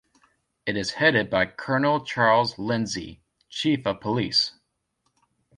It is headed by Colonel Charles Lindsey, Chief of Police.